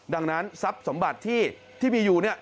ดังนั้นทรัพย์สมบัติที่มีอยู่เนี่ย